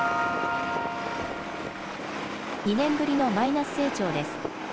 ２年ぶりのマイナス成長です。